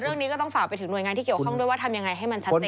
เรื่องนี้ก็ต้องฝากไปถึงหน่วยงานที่เกี่ยวข้องด้วยว่าทำยังไงให้มันชัดเจน